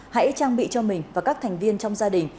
hãy trang bị cho mình và các thành viên trong gia đình